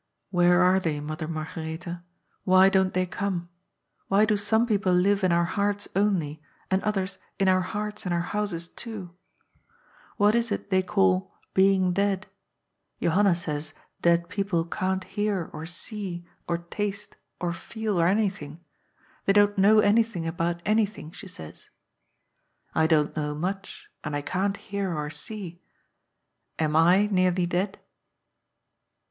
Where are they. Mother Margaretha ? Why don't they come ? Why do some people live in our hearts only, and others in our hearts and our houses, too ? What is it THE MESSAGE OP ETERNAL SPRING. 327 they call 'being dead'? Johanna says dead people can't hear or see or taste or feel or anything. They don't know anything about anything, she says. I don't know much, and I can't hear or see. Am I nearly dead?"